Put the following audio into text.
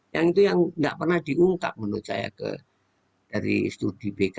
yang itu yang tidak pernah diungkap menurut saya dari studi bkk